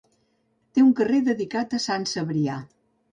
Té un carrer dedicat a Sant Cebrià.